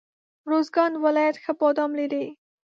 روزګان ولایت ښه بادام لري.